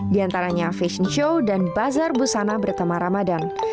diantaranya fashion show dan bazar busana bertema ramadan